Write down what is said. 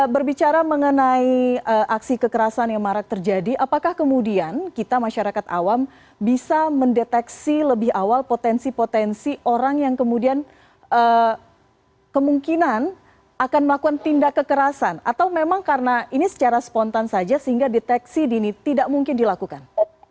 berbicara mengenai aksi kekerasan yang marak terjadi apakah kemudian kita masyarakat awam bisa mendeteksi lebih awal potensi potensi orang yang kemudian kemungkinan akan melakukan tindak kekerasan atau memang karena ini secara spontan saja sehingga deteksi ini tidak mungkin dilakukan